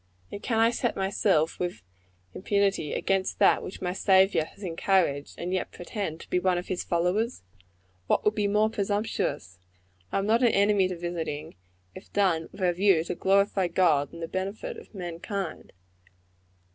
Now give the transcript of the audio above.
And can I set myself, with impunity, against that which my Saviour has encouraged, and yet pretend to be one of his followers? What would be more presumptuous? I am not an enemy to visiting, if done with a view to glorify God in the benefit of mankind.